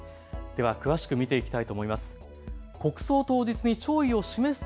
では詳しく見ていきたいと思います。